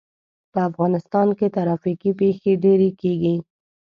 په افغانستان کې ترافیکي پېښې ډېرې کېږي.